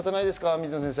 水野先生。